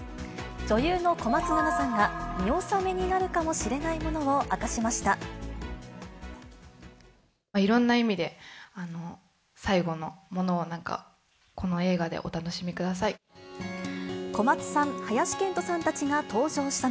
女優の小松菜奈さんが、見納めになるかもしれないものを明かしました。